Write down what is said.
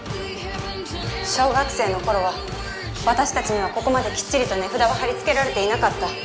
小学生の頃は私たちにはここまできっちりと値札は貼り付けられていなかった。